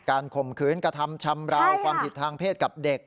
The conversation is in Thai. ข่มขืนกระทำชำราวความผิดทางเพศกับเด็ก